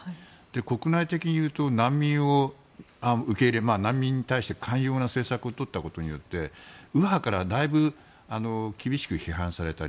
国内的に言うと難民を受け入れ難民に対して寛容な政策を取ったことによって右派からだいぶ厳しく批判されたり